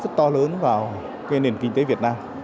rất to lớn vào nền kinh tế việt nam